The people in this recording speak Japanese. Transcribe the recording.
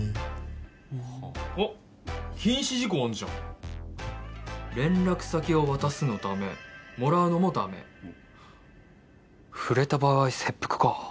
おっ禁止事項あんじゃん連絡先を渡すのダメもらうのもダメ触れた場合切腹かせ